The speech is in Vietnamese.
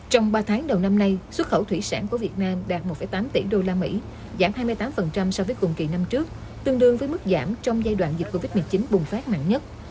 trong ba tháng đầu năm nay xuất khẩu thủy sản của việt nam đạt một tám tỷ đô la mỹ giảm hai mươi tám phần trăm so với cùng kỳ năm trước tương đương với mức giảm trong giai đoạn dịch covid một mươi chín bùng phát mạnh nhất